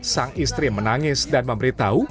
sang istri menangis dan memberitahu